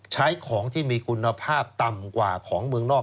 ใช้ของที่มีคุณภาพต่ำกว่าของเมืองนอก